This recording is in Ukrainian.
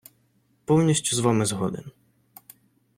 Повністю з вами згоден.